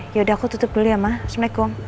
yaudah aku tutup dulu ya ma assalamualaikum